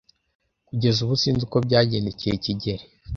Kugeza ubu sinzi uko byagendekeye kigeli.